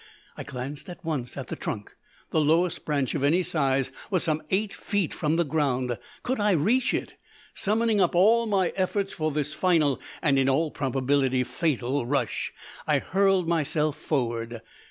I glanced at once at the trunk. The lowest branch of any size was some eight feet from the ground. ... Could I reach it? Summoning up all my efforts for this final, and in all probability fatal, rush, I hurled myself forward.